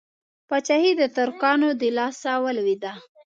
پاچهي د ترکانو د لاسه ولوېده.